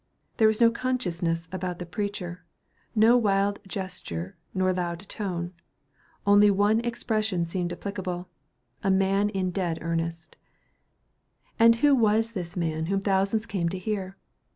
There was no consciousness about the preacher; no wild gesture nor loud tone. Only one expression seemed applicable, "a man dead in earnest." And who was this man whom thousands came to hear?